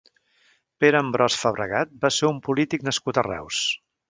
Pere Ambròs Fabregat va ser un polític nascut a Reus.